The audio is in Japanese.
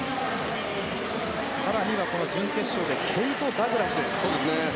更には準決勝でケイト・ダグラス。